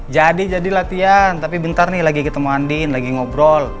jadi jadi latihan tapi bentar nih lagi ketemu andin lagi ngobrol